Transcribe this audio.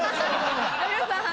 有吉さん